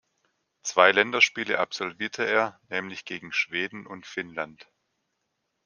Zwei Länderspiele absolvierte er, nämlich gegen Schweden und Finnland.